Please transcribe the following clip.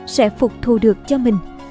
sẽ phục thù được cho mình